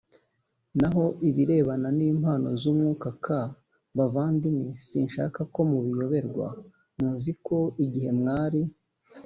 naho ibirebana n impano z umwuka k bavandimwe sinshaka ko mubiyoberwa muzi ko igihe mwari